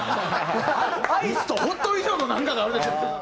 アイスとホット以上のなんかがあるでしょうけど。